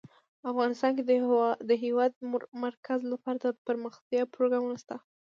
افغانستان کې د د هېواد مرکز لپاره دپرمختیا پروګرامونه شته.